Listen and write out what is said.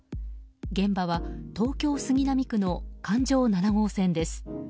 現場は東京・杉並区の環状７号線です。